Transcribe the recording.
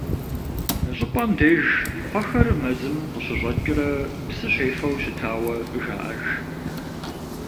Мы щӀыпӀэм деж кхъуэхэр мэзым къыщыщӀэкӀрэ псы щефэу щытауэ жаӀэж.